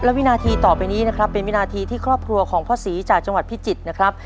และวินาทีต่อไปนี้นะครับเป็นวินาทีที่ครอบครัวของพ่อศรีจากจังหวัดพิจิตรนะครับ